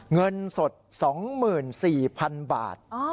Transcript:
เงินสด๒๔๐๐๐บาท